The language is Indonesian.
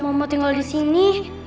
sebenernya mama tinggal disini